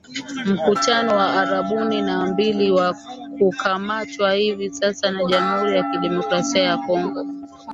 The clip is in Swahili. mkutano wa arubaini na mbili wa kukamatwa hivi sasa na Jamhuri ya Kidemokrasi ya Kongo